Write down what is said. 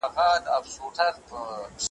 زمري ولیدی مېلمه چي غوښي نه خوري `